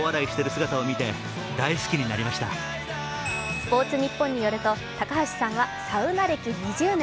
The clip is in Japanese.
スポーツニッポンによると高橋さんはサウナ歴２０年。